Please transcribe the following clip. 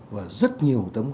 và rất nhiều tấm gương